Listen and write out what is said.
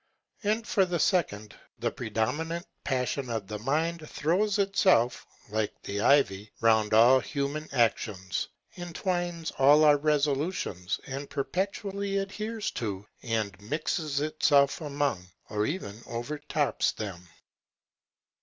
And for the second, the predominant passion of the mind throws itself, like the ivy, round all human actions, entwines all our resolutions, and perpetually adheres to, and mixes itself among, or even overtops them.